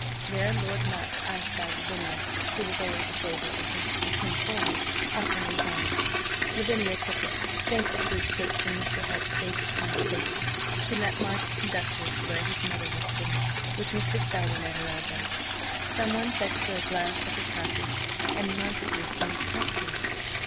There Lord March espied Lavinia, who was always a favourite with him, and came forward, offering his arm. Lavinia took it, thankful to escape from Mr. Holt's vapid conversation. She let March conduct her to where his mother was sitting, with Mr. Selwyn at her elbow. Someone fetched her a glass of ratafie, and Montagu came to talk to her.